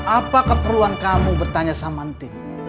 apa keperluan kamu bertanya sama antik